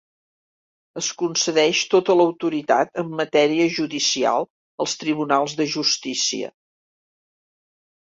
Es concedeix tota l'autoritat en matèria judicial als tribunals de justícia.